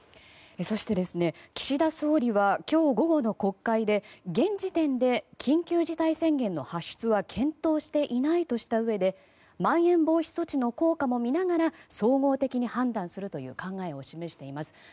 そして、岸田総理は今日午後の国会で現時点で緊急事態宣言の発出は検討していないとしたうえでまん延防止措置の効果も見ながら総合的に判断するという考えを示しています。